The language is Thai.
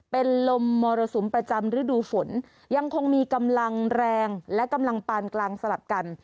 เป็นลมมรสุมประจำฤดูฝนยังคงมีกำลังแรงและกำลังปานกลางสลับกัน